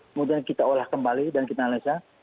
kemudian kita olah kembali dan kita analisa